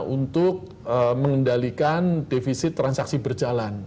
untuk mengendalikan defisit transaksi berjalan